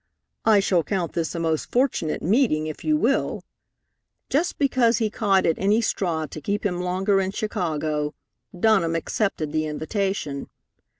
I shall count this a most fortunate meeting if you will." Just because he caught at any straw to keep him longer in Chicago, Dunham accepted the invitation.